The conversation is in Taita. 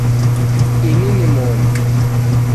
Ini moni